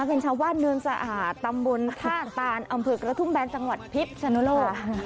เป็นชาวบ้านเนินสะอาดตำบลท่าตานอำเภอกระทุ่มแบนจังหวัดพิษสนุโลก